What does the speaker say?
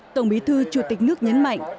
tổng bí thư chủ tịch nước nhấn mạnh